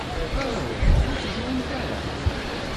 Aw, ur teẓrimt ara?